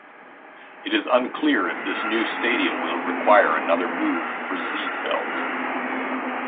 It is unclear if this new stadium will require another move for Ziegfelds.